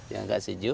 yang agak sejuk